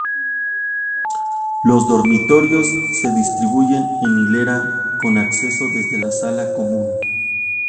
Los dormitorios se distribuyen en hilera con acceso desde la sala común.